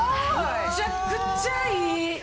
むちゃくちゃいい。